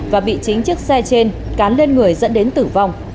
và bị chính chiếc xe trên cán lên người dẫn đến tử vong